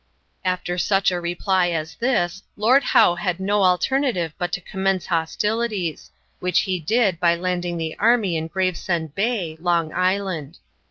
After such a reply as this Lord Howe had no alternative but to commence hostilities, which he did by landing the army in Gravesend Bay, Long Island.